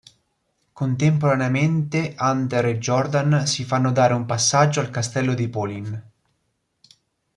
Contemporaneamente Hunter e Jordan si fanno dare un passaggio al castello da Pauline.